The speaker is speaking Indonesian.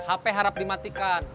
hp harap dimatikan